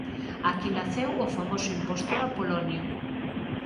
Aquí naceu o famoso impostor Apolonio.